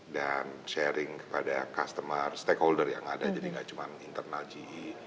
dan sharing kepada customer stakeholder yang ada jadi gak cuma internal ge